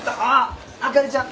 あかりちゃん